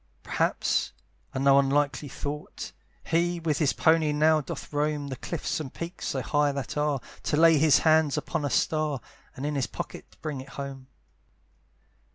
Perhaps, and no unlikely thought! He with his pony now doth roam The cliffs and peaks so high that are, To lay his hands upon a star, And in his pocket bring it home.